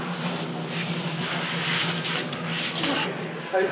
はい。